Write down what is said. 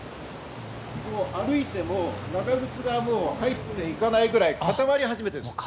ここ歩いても長靴が入っていかないぐらい固まり始めてます。